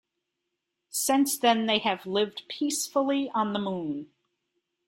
Since then they have lived peacefully on the Moon.